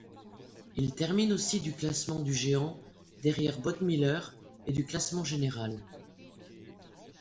Il termine aussi du classement du géant derrière Bode Miller et du classement général.